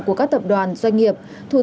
của các tập đoàn doanh nghiệp